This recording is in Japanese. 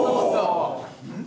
うん？